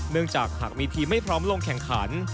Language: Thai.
เนื่องจากหากมีทีมไม่พร้อมลงแข่งขัน